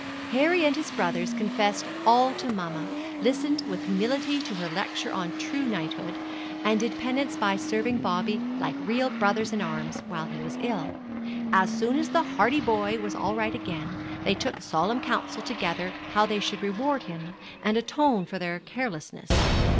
Harry and his brothers confessed all to mamma, listened with humility to her lecture on true knighthood, and did penance by serving Bobby like real brothers in arms, while he was ill. As soon as the hardy boy was all right again, they took solemn counsel together how they should reward him, and atone for their carelessness.